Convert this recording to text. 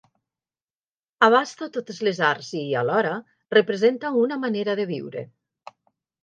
Abasta totes les arts i, alhora, representa una manera de viure.